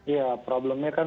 ya problemnya kan